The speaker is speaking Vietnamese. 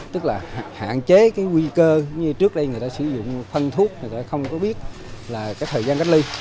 tức là hạn chế cái nguy cơ như trước đây người ta sử dụng phân thuốc người ta không có biết là cái thời gian cách ly